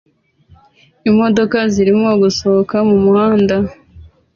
Imodoka zirimo gusohoka mumuhanda